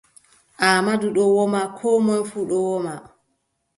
Aamadu ɗon woma Koo moy fuu ɗon woma.